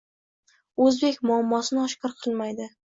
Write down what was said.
o‘zbek muammosini oshkor qilmaydi